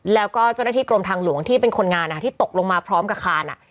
แล้วก็เจ้าหน้าที่กรมทางหลวงที่เป็นคนงานที่ตกลงมาพร้อมกับคาน